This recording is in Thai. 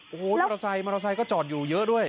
โอ้โหมอเตอร์ไซค์ก็จอดอยู่เยอะด้วย